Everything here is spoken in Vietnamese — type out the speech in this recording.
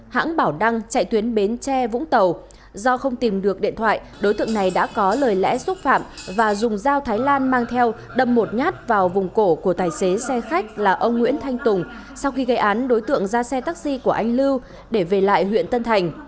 hãng bảo đăng chạy tuyến bến tre vũng tàu do không tìm được điện thoại đối tượng này đã có lời lẽ xúc phạm và dùng dao thái lan mang theo đâm một nhát vào vùng cổ của tài xế xe khách là ông nguyễn thanh tùng sau khi gây án đối tượng ra xe taxi của anh lưu để về lại huyện tân thành